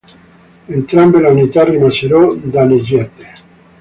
Entrambe le unità rimasero danneggiate.